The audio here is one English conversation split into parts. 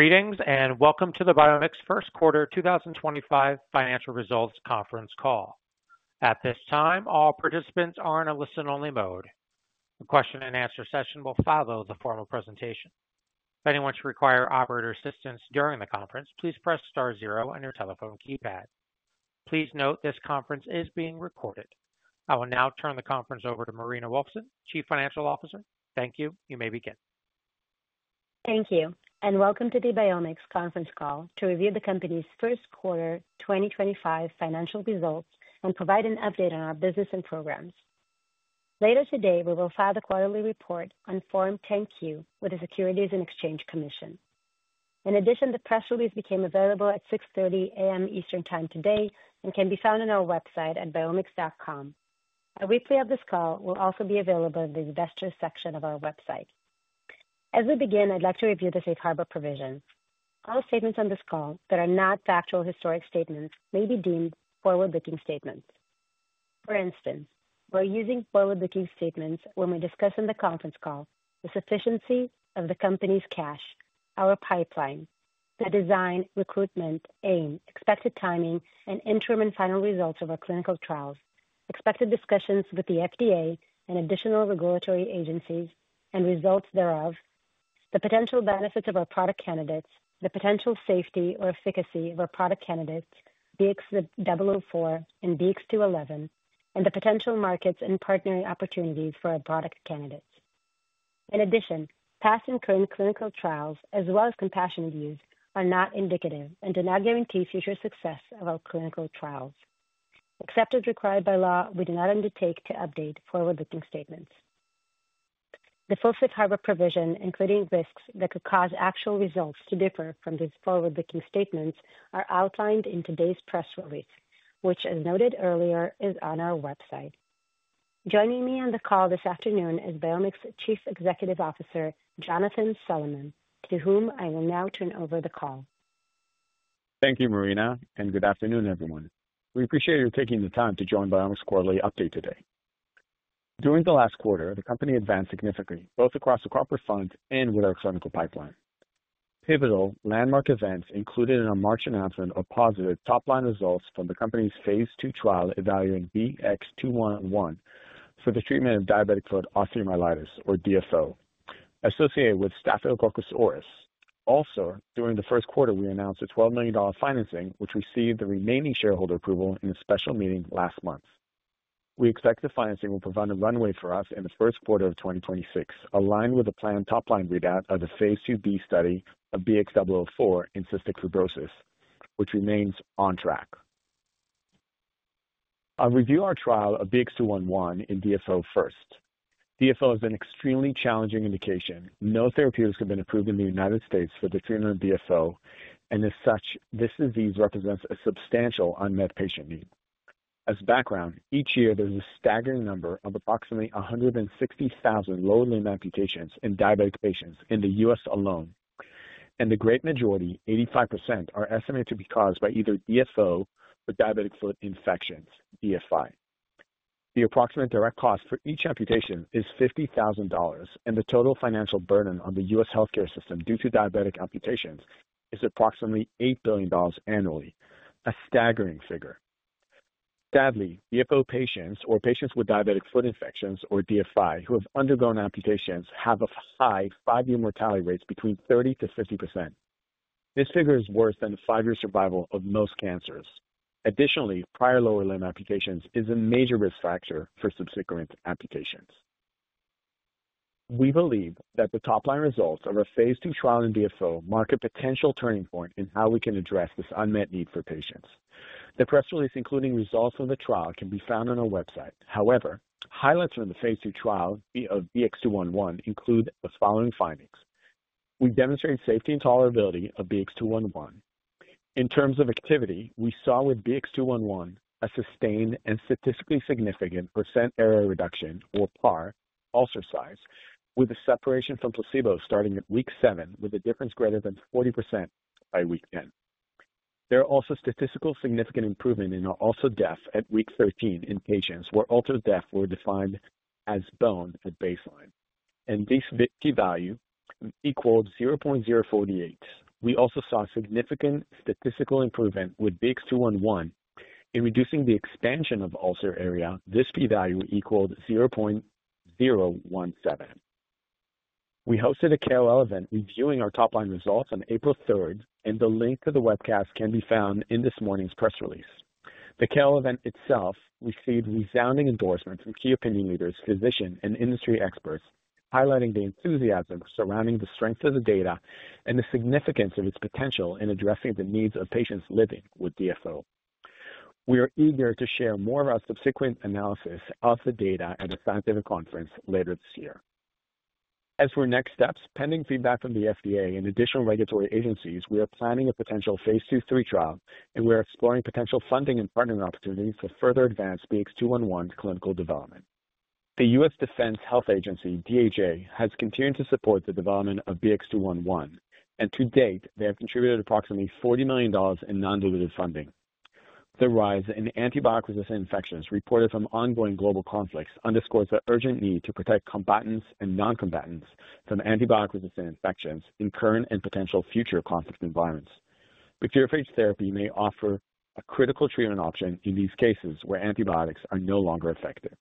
Greetings and welcome to the BiomX First Quarter 2025 Financial Results Conference Call. At this time, all participants are in a listen-only mode. The question-and-answer session will follow the formal presentation. If anyone should require operator assistance during the conference, please press star zero on your telephone keypad. Please note this conference is being recorded. I will now turn the conference over to Marina Wolfson, Chief Financial Officer. Thank you. You may begin. Thank you, and welcome to the BiomX conference call to review the company's first quarter 2025 financial results and provide an update on our business and programs. Later today, we will file the quarterly report on Form 10-Q with the Securities and Exchange Commission. In addition, the press release became available at 6:30 A.M. Eastern Time today and can be found on our website at biomx.com. A replay of this call will also be available in the investors' section of our website. As we begin, I'd like to review the safe harbor provisions. All statements on this call that are not factual historic statements may be deemed forward-looking statements. For instance, we're using forward-looking statements when we discuss in the conference call the sufficiency of the company's cash, our pipeline, the design, recruitment, aim, expected timing, and interim and final results of our clinical trials, expected discussions with the FDA and additional regulatory agencies and results thereof, the potential benefits of our product candidates, the potential safety or efficacy of our product candidates, BX004 and BX211, and the potential markets and partnering opportunities for our product candidates. In addition, past and current clinical trials, as well as compassionate use, are not indicative and do not guarantee future success of our clinical trials. Except as required by law, we do not undertake to update forward-looking statements. The full safe harbor provision, including risks that could cause actual results to differ from these forward-looking statements, are outlined in today's press release, which, as noted earlier, is on our website. Joining me on the call this afternoon is BiomX Chief Executive Officer Jonathan Solomon, to whom I will now turn over the call. Thank you, Marina, and good afternoon, everyone. We appreciate your taking the time to join BiomX Quarterly Update today. During the last quarter, the company advanced significantly, both across the corporate front and with our clinical pipeline. Pivotal landmark events included in our March announcement are positive top-line results from the company's phase II trial evaluating BX211 for the treatment of Diabetic Foot Osteomyelitis, or DFO, associated with Staphylococcus aureus. Also, during the first quarter, we announced a $12 million financing, which received the remaining shareholder approval in a special meeting last month. We expect the financing will provide a runway for us in the first quarter of 2026, aligned with the planned top-line readout of the phase IIb study of BX004 in cystic fibrosis, which remains on track. I'll review our trial of BX211 in DFO first. DFO is an extremely challenging indication. No therapeutics have been approved in the U.S. for the treatment of DFO, and as such, this disease represents a substantial unmet patient need. As background, each year, there's a staggering number of approximately 160,000 lower limb amputations in diabetic patients in the U.S. alone, and the great majority, 85%, are estimated to be caused by either DFO or diabetic foot infections, DFI. The approximate direct cost for each amputation is $50,000, and the total financial burden on the U.S. healthcare system due to diabetic amputations is approximately $8 billion annually, a staggering figure. Sadly, DFO patients, or patients with diabetic foot infections, or DFI, who have undergone amputations have a high five-year mortality rate between 30%-50%. This figure is worse than the five-year survival of most cancers. Additionally, prior lower limb amputations are a major risk factor for subsequent amputations. We believe that the top-line results of our phase II trial in DFO mark a potential turning point in how we can address this unmet need for patients. The press release, including results of the trial, can be found on our website. However, highlights from the phase II trial of BX211 include the following findings. We demonstrate safety and tolerability of BX211. In terms of activity, we saw with BX211 a sustained and statistically significant percent area reduction, or PAR, ulcer size, with a separation from placebo starting at week seven, with a difference greater than 40% by week 10. There are also statistically significant improvements in ulcer depth at week 13 in patients where ulcer depth was defined as bone at baseline, and this p-value equaled 0.048. We also saw significant statistical improvement with BX211 in reducing the expansion of ulcer area. This p-value equaled 0.017. We hosted a KOL event reviewing our top-line results on April 3rd, and the link to the webcast can be found in this morning's press release. The KOL event itself received resounding endorsements from key opinion leaders, physicians, and industry experts, highlighting the enthusiasm surrounding the strength of the data and the significance of its potential in addressing the needs of patients living with DFO. We are eager to share more of our subsequent analysis of the data at a scientific conference later this year. As for next steps, pending feedback from the FDA and additional regulatory agencies, we are planning a potential phase II/III trial, and we are exploring potential funding and partnering opportunities to further advance BX211 clinical development. The U.S. Defense Health Agency, DHA, has continued to support the development of BX211, and to date, they have contributed approximately $40 million in non-dilutive funding. The rise in antibiotic-resistant infections reported from ongoing global conflicts underscores the urgent need to protect combatants and non-combatants from antibiotic-resistant infections in current and potential future conflict environments. Phage therapy may offer a critical treatment option in these cases where antibiotics are no longer effective.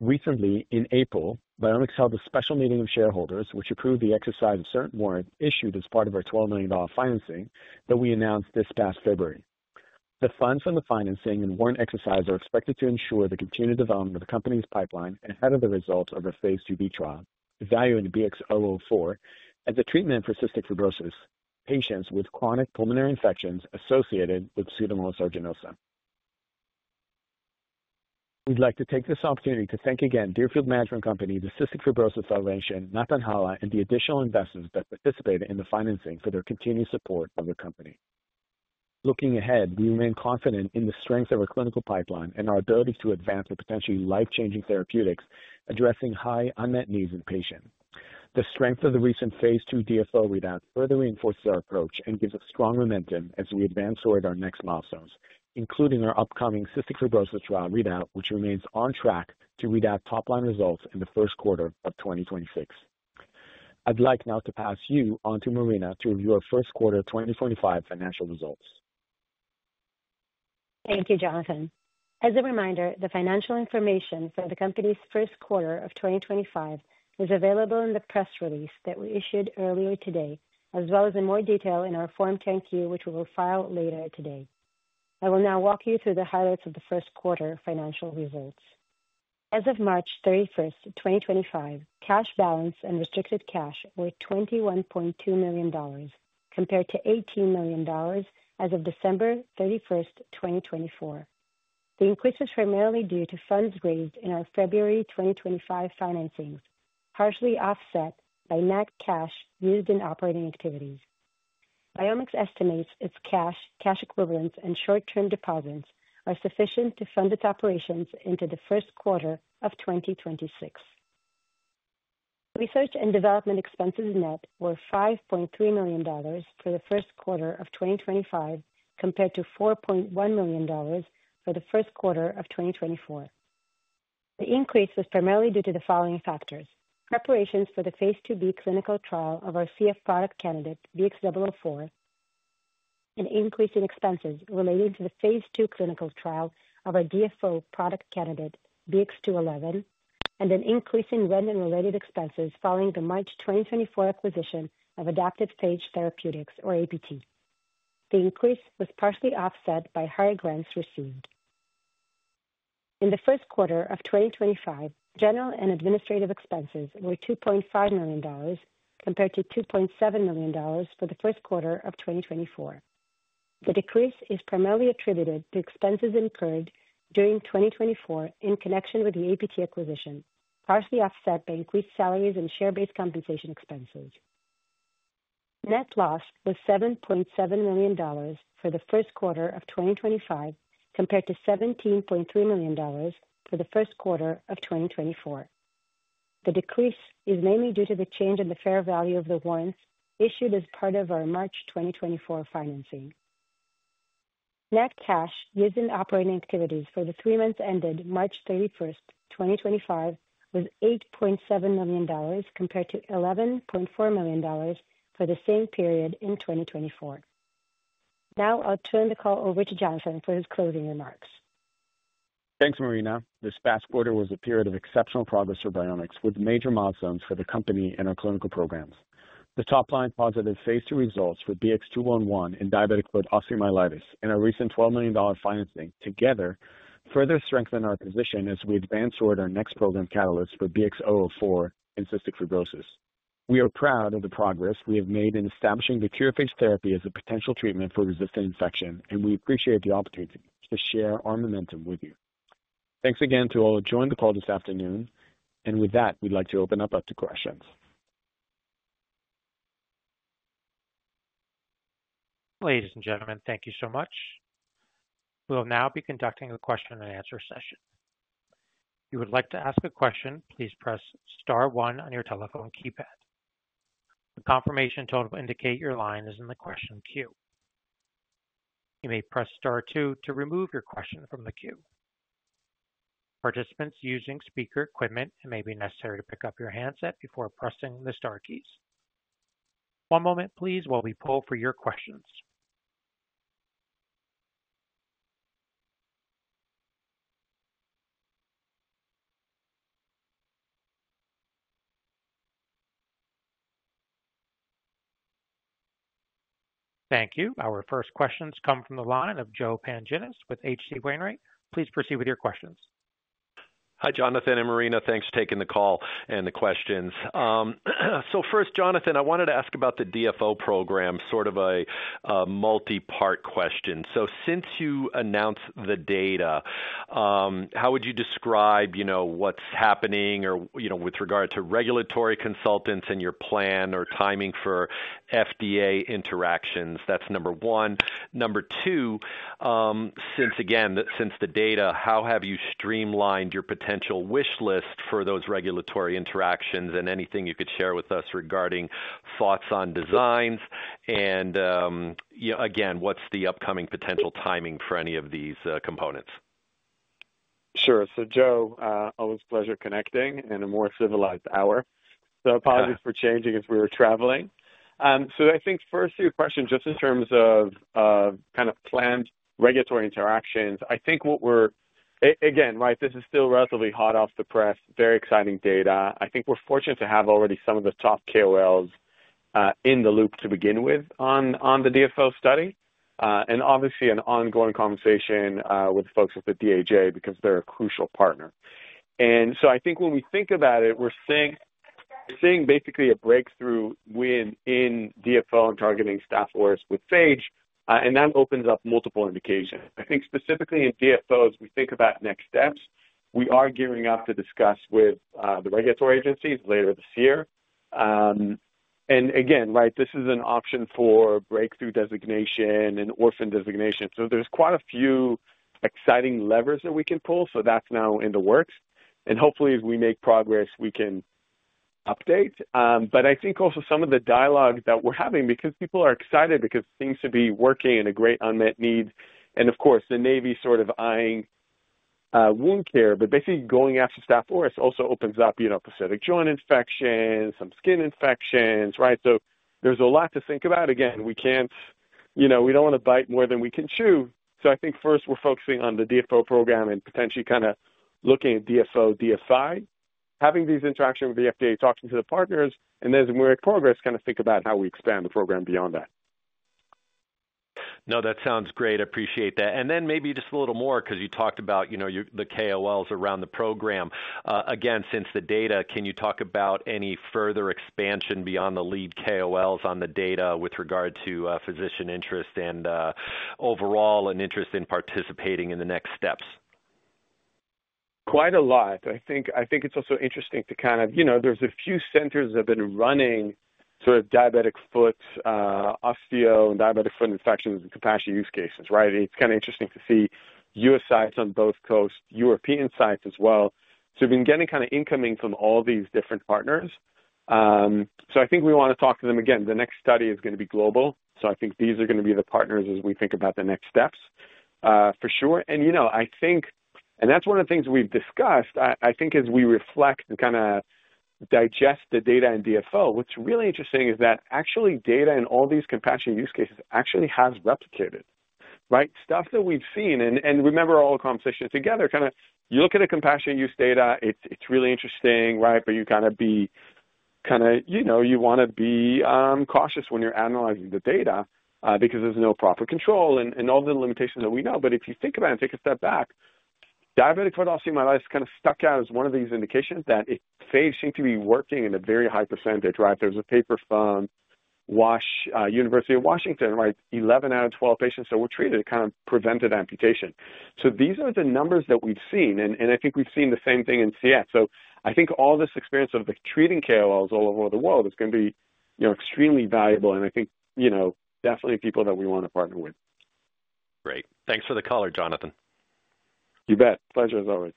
Recently, in April, BiomX held a special meeting of shareholders, which approved the exercise of certain warrants issued as part of our $12 million financing that we announced this past February. The funds from the financing and warrant exercise are expected to ensure the continued development of the company's pipeline ahead of the results of our phase IIb trial, evaluating BX004 as a treatment for cystic fibrosis patients with chronic pulmonary infections associated with Pseudomonas aeruginosa. We'd like to take this opportunity to thank again Deerfield Management Company, the Cystic Fibrosis Foundation, Nathan Halla, and the additional investors that participated in the financing for their continued support of the company. Looking ahead, we remain confident in the strength of our clinical pipeline and our ability to advance the potentially life-changing therapeutics, addressing high unmet needs in patients. The strength of the recent phase II DFO readout further reinforces our approach and gives us strong momentum as we advance toward our next milestones, including our upcoming cystic fibrosis trial readout, which remains on track to read out top-line results in the first quarter of 2026. I'd like now to pass you on to Marina to review our first quarter 2025 financial results. Thank you, Jonathan. As a reminder, the financial information for the company's first quarter of 2025 is available in the press release that we issued earlier today, as well as in more detail in our Form 10-Q, which we will file later today. I will now walk you through the highlights of the first quarter financial results. As of March 31, 2025, cash balance and restricted cash were $21.2 million, compared to $18 million as of December 31st, 2024. The increase is primarily due to funds raised in our February 2025 financings, partially offset by net cash used in operating activities. BiomX estimates its cash, cash equivalents, and short-term deposits are sufficient to fund its operations into the first quarter of 2026. Research and development expenses net were $5.3 million for the first quarter of 2025, compared to $4.1 million for the first quarter of 2024. The increase was primarily due to the following factors: preparations for the phase IIb clinical trial of our CF product candidate, BX004, an increase in expenses relating to the phase II clinical trial of our DFO product candidate, BX211, and an increase in rent and related expenses following the March 2024 acquisition of Adaptive Phage Therapeutics, or APT. The increase was partially offset by higher grants received. In the first quarter of 2025, general and administrative expenses were $2.5 million, compared to $2.7 million for the first quarter of 2024. The decrease is primarily attributed to expenses incurred during 2024 in connection with the APT acquisition, partially offset by increased salaries and share-based compensation expenses. Net loss was $7.7 million for the first quarter of 2025, compared to $17.3 million for the first quarter of 2024. The decrease is mainly due to the change in the fair value of the warrants issued as part of our March 2024 financing. Net cash used in operating activities for the three months ended March 31st, 2025, was $8.7 million, compared to $11.4 million for the same period in 2024. Now I'll turn the call over to Jonathan for his closing remarks. Thanks, Marina. This past quarter was a period of exceptional progress for BiomX, with major milestones for the company and our clinical programs. The top-line positive phase II results for BX211 in Diabetic Foot Osteomyelitis and our recent $12 million financing together further strengthen our position as we advance toward our next program catalyst for BX004 in cystic fibrosis. We are proud of the progress we have made in establishing the curative phage therapy as a potential treatment for resistant infection, and we appreciate the opportunity to share our momentum with you. Thanks again to all who joined the call this afternoon, and with that, we'd like to open up to questions. Ladies and gentlemen, thank you so much. We'll now be conducting a question and answer session. If you would like to ask a question, please press star one on your telephone keypad. The confirmation to indicate your line is in the question queue. You may press star two to remove your question from the queue. Participants using speaker equipment may be necessary to pick up your handset before pressing the star keys. One moment, please, while we pull for your questions. Thank you. Our first questions come from the line of Joe Pantginis with H.C. Wainwright. Please proceed with your questions. Hi, Jonathan and Marina. Thanks for taking the call and the questions. First, Jonathan, I wanted to ask about the DFO program, sort of a multi-part question. Since you announced the data, how would you describe what's happening with regard to regulatory consultants and your plan or timing for FDA interactions? That's number one. Number two, since again, since the data, how have you streamlined your potential wish list for those regulatory interactions and anything you could share with us regarding thoughts on designs? Again, what's the upcoming potential timing for any of these components? Sure. Joe, always a pleasure connecting in a more civilized hour. Apologies for changing as we were traveling. I think first few questions, just in terms of kind of planned regulatory interactions, I think what we're, again, right, this is still relatively hot off the press, very exciting data. I think we're fortunate to have already some of the top KOLs in the loop to begin with on the DFO study, and obviously an ongoing conversation with folks at the DHA because they're a crucial partner. I think when we think about it, we're seeing basically a breakthrough win in DFO and targeting staph aureus with phage, and that opens up multiple indications. I think specifically in DFOs, we think about next steps. We are gearing up to discuss with the regulatory agencies later this year. Right, this is an option for breakthrough designation and Orphan Designation. There are quite a few exciting levers that we can pull, so that's now in the works. Hopefully, as we make progress, we can update. I think also some of the dialogue that we're having, because people are excited, because it seems to be working in a great unmet need, and of course, the Navy sort of eyeing wound care, but basically going after staph aureus also opens up, you know, prosthetic joint infections, some skin infections, right? There is a lot to think about. Again, we can't, you know, we don't want to bite more than we can chew. I think first we're focusing on the DFO program and potentially kind of looking at DFO, DFI, having these interactions with the FDA, talking to the partners, and then as we make progress, kind of think about how we expand the program beyond that. No, that sounds great. Appreciate that. Maybe just a little more, because you talked about, you know, the KOLs around the program. Again, since the data, can you talk about any further expansion beyond the lead KOLs on the data with regard to physician interest and overall an interest in participating in the next steps? Quite a lot. I think it's also interesting to kind of, you know, there's a few centers that have been running sort of diabetic foot osteo and diabetic foot infection and compassionate use cases, right? It's kind of interesting to see U.S. sites on both coasts, European sites as well. We've been getting kind of incoming from all these different partners. I think we want to talk to them again. The next study is going to be global. I think these are going to be the partners as we think about the next steps, for sure. You know, I think, and that's one of the things we've discussed, I think, as we reflect and kind of digest the data in DFO, what's really interesting is that actually data in all these compassionate use cases actually has replicated, right? Stuff that we've seen. Remember our whole conversation together, kind of you look at the compassionate use data, it's really interesting, right? You kind of, you know, you want to be cautious when you're analyzing the data because there's no proper control and all the limitations that we know. If you think about it and take a step back, Diabetic Foot Osteomyelitis kind of stuck out as one of these indications that it seemed to be working in a very high percentage, right? There's a paper from University of Washington, right? 11 out of 12 patients that were treated kind of prevented amputation. These are the numbers that we've seen, and I think we've seen the same thing in CF. I think all this experience of treating KOLs all over the world is going to be, you know, extremely valuable, and I think, you know, definitely people that we want to partner with. Great. Thanks for the color, Jonathan. You bet. Pleasure as always.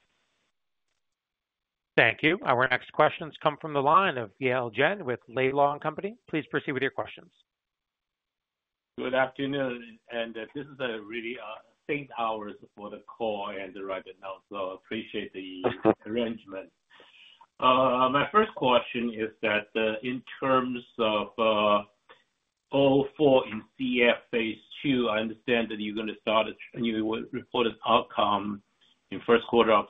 Thank you. Our next questions come from the line of Yale Jen with Laidlaw & Company. Please proceed with your questions. Good afternoon, and this is a really safe hour for the call and the right announcer. I appreciate the arrangement. My first question is that in terms of all four in CF phase III, I understand that you're going to start, you reported outcome in first quarter of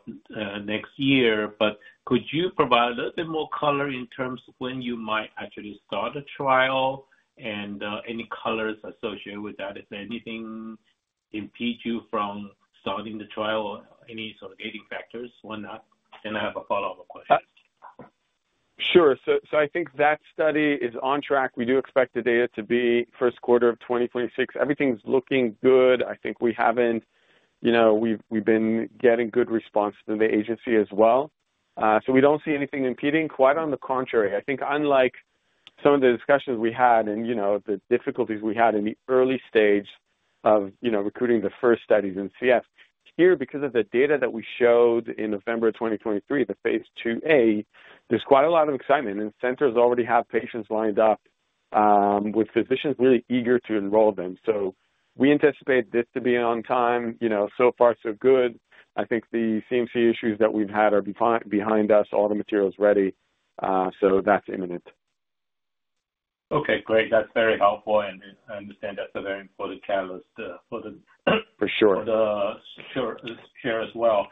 next year, but could you provide a little bit more color in terms of when you might actually start a trial and any colors associated with that? Is there anything impede you from starting the trial or any sort of gating factors? Why not? And I have a follow-up question. Sure. So I think that study is on track. We do expect the data to be first quarter of 2026. Everything's looking good. I think we haven't, you know, we've been getting good response from the agency as well. We don't see anything impeding. Quite on the contrary, I think unlike some of the discussions we had and, you know, the difficulties we had in the early stage of, you know, recruiting the first studies in CF, here, because of the data that we showed in November 2023, the phase IIa, there's quite a lot of excitement, and centers already have patients lined up with physicians really eager to enroll them. We anticipate this to be on time, you know, so far so good. I think the CMC issues that we've had are behind us. All the material's ready, so that's imminent. Okay, great. That's very helpful, and I understand that's a very important catalyst for the. For sure. For the share as well.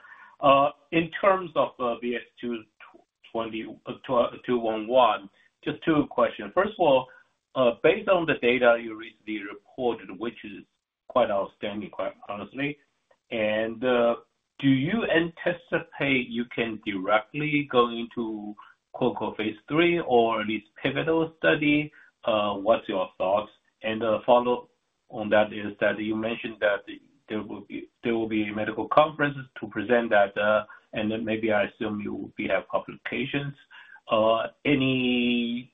In terms of BX211, just two questions. First of all, based on the data you recently reported, which is quite outstanding, quite honestly, do you anticipate you can directly go into clinical phase III or at least pivotal study? What's your thoughts? The follow-up on that is that you mentioned that there will be medical conferences to present that, and then maybe I assume you will have publications. Any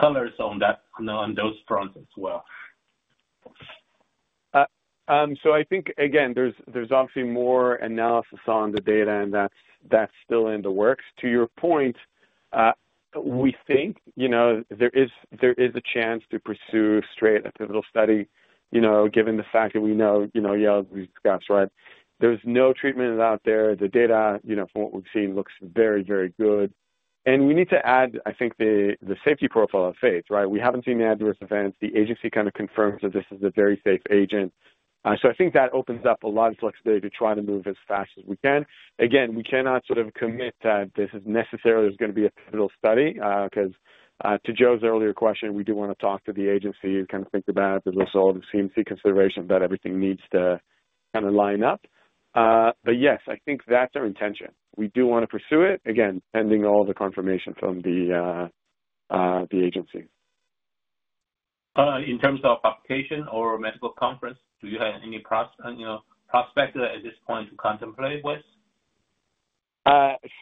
colors on those fronts as well? I think, again, there's obviously more analysis on the data, and that's still in the works. To your point, we think, you know, there is a chance to pursue straight a pivotal study, you know, given the fact that we know, you know, we discussed, right? There's no treatment out there. The data, you know, from what we've seen, looks very, very good. And we need to add, I think, the safety profile of phage, right? We haven't seen the adverse events. The agency kind of confirms that this is a very safe agent. I think that opens up a lot of flexibility to try to move as fast as we can. Again, we cannot sort of commit that this is necessarily going to be a pivotal study because to Joe's earlier question, we do want to talk to the agency and kind of think about the result of CMC consideration that everything needs to kind of line up. Yes, I think that's our intention. We do want to pursue it, again, pending all the confirmation from the agency. In terms of application or medical conference, do you have any prospect at this point to contemplate with?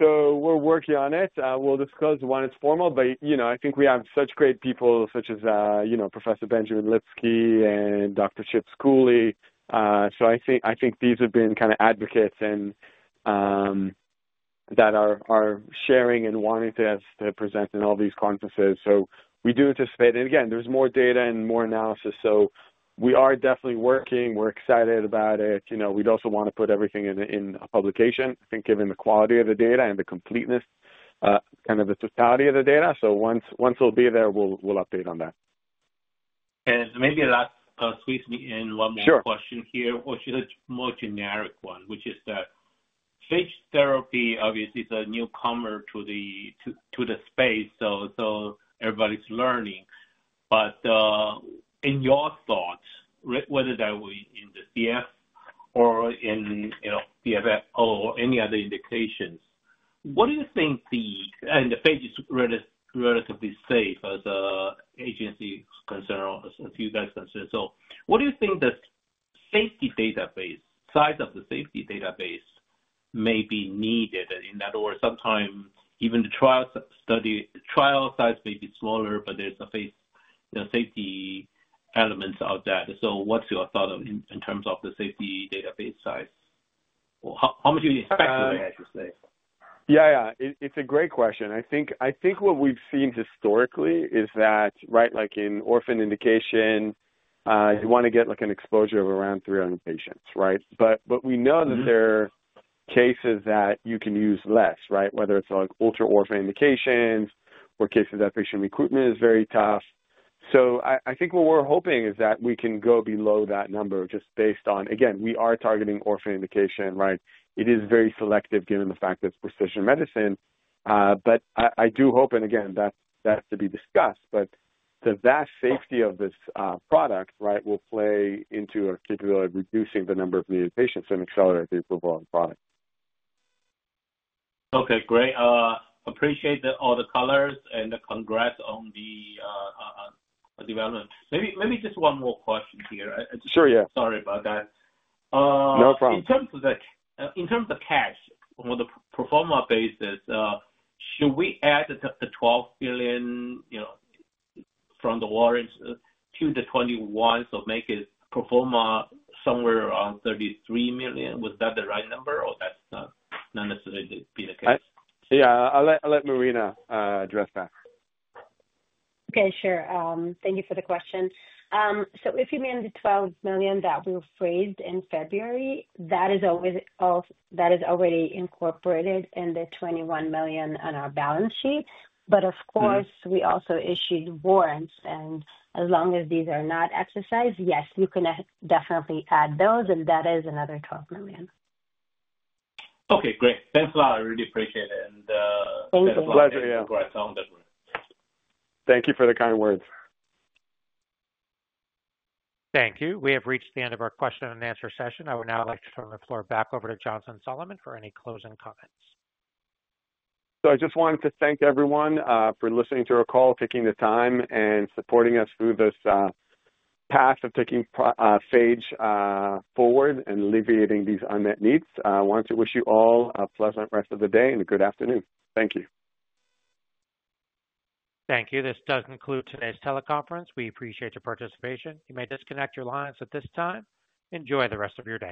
We're working on it. We'll disclose when it's formal, but, you know, I think we have such great people such as, you know, Professor Benjamin Lipsky and Dr. "Chip" Schooley. I think these have been kind of advocates that are sharing and wanting to present in all these conferences. We do anticipate, and again, there's more data and more analysis. We are definitely working. We're excited about it. You know, we'd also want to put everything in a publication, I think, given the quality of the data and the completeness, kind of the totality of the data. Once it'll be there, we'll update on that. Maybe last, sweep me in one more question here, or should it be a more generic one, which is that phage therapy obviously is a newcomer to the space, so everybody's learning. In your thoughts, whether that would be in the CF or in DFO or any other indications, what do you think the, and the phage is relatively safe as an agency concern, as you guys consider? What do you think the safety database, size of the safety database may be needed? In other words, sometimes even the trial size may be smaller, but there's a phase safety elements of that. What's your thought in terms of the safety database size? Or how much do you expect to say? Yeah, yeah. It's a great question. I think what we've seen historically is that, right, like in Orphan indication, you want to get like an exposure of around 300 patients, right? We know that there are cases that you can use less, right? Whether it's like ultra Orphan indications or cases that patient recruitment is very tough. I think what we're hoping is that we can go below that number just based on, again, we are targeting Orphan indication, right? It is very selective given the fact that it's precision medicine. I do hope, and again, that's to be discussed, but the vast safety of this product, right, will play into our capability of reducing the number of needed patients and accelerate the approval of the product. Okay, great. Appreciate all the color and congrats on the development. Maybe just one more question here. Sure, yeah. Sorry about that. No problem. In terms of the cash, on the pro forma basis, should we add the $12 million, you know, from the warrants to the $21 million, so make it pro forma somewhere around $33 million? Was that the right number, or that's not necessarily been the case? Yeah, I'll let Marina address that. Okay, sure. Thank you for the question. If you mean the $12 million that we were phased in February, that is already incorporated in the $21 million on our balance sheet. Of course, we also issued warrants, and as long as these are not exercised, yes, you can definitely add those, and that is another $12 million. Okay, great. Thanks a lot. I really appreciate it. Thank you. It's a pleasure, yeah. Thank you for the kind words. Thank you. We have reached the end of our question and answer session. I would now like to turn the floor back over to Jonathan Solomon for any closing comments. I just wanted to thank everyone for listening to our call, taking the time, and supporting us through this path of taking phage forward and alleviating these unmet needs. I want to wish you all a pleasant rest of the day and a good afternoon. Thank you. Thank you. This does conclude today's teleconference. We appreciate your participation. You may disconnect your lines at this time. Enjoy the rest of your day.